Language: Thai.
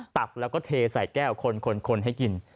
ตักแล้วก็เทใส่แก้วคนให้กิน